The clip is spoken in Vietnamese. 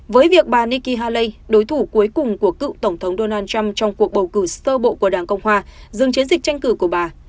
với việc bà nikki haley đối thủ cuối cùng của cựu tổng thống donald trump trong cuộc bầu cử sơ bộ của đảng cộng hòa dừng chiến dịch tranh cử của bà